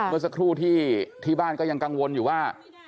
เมื่อสักครู่ที่บ้านก็ยังกังวลอยู่ว่า